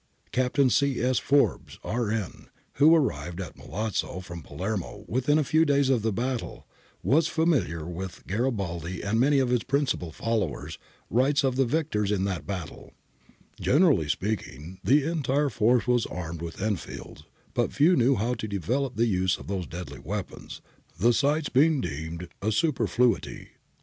Captain C. S. Forbes, R.N., who arrived at Milazzo from Palermo within a few days of the battle, and was familiar with Garibaldi and many of his principal followers, writes of the victors in that battle :—' Generally speaking the entire force was armed with Enfields, but few knew how to develop the use of those deadly weapons, the sights being deemed a superfluity.'